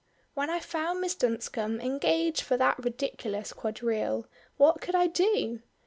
When I found Miss Dunscombe engaged for that ridiculous quadrille, what could I do?